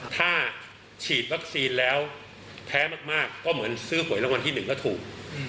ถ้าฉีดวัคซีนแล้วแพ้มากก็เหมือนซื้อหวยรางวัลที่๑แล้วถูก